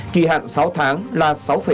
kỳ hạn sáu tháng là sáu năm